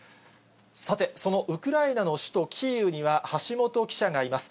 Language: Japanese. さて、そのウクライナの首都キーウには、橋本記者がいます。